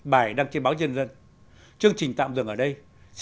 bài đăng trên báo nhân dân chương trình tạm dừng ở đây